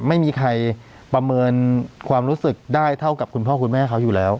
ไม่มีใครประเมินความรู้สึกได้เท่ากับคุณพ่อคุณแม่เขาอยู่แล้ว